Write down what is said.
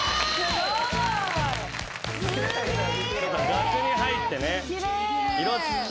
額に入ってね。